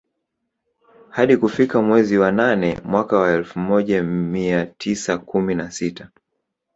Hadi kufikia mwezi wanane mwaka wa elfu moja amia tisa kumi nasita